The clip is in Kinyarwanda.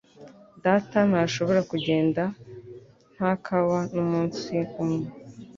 Data ntashobora kugenda nta kawa numunsi umwe.